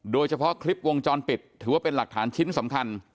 โดยเฉพาะคลิปวงจรปิดถือว่าเป็นหลักฐานชิ้นสำคัญ